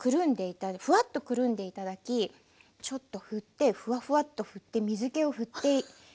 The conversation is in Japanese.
ふわっとくるんで頂きちょっと振ってふわふわっと振って水けを振って取っていきます。